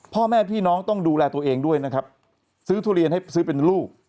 พ่อแม่พี่น้องต้องดูแลตัวเองด้วยนะครับซื้อทุเรียนให้ซื้อเป็นลูก